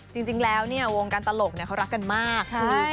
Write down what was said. จริงจริงแล้วเนี้ยวงการตลกเนี้ยเขารักกันมากใช่